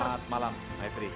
selamat malam maitri